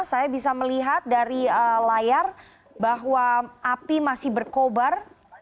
saya bisa melihat dari layar bahwa api masih berkobar